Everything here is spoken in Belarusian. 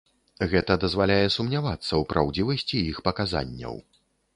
Гэта дазваляе сумнявацца ў праўдзівасці іх паказанняў.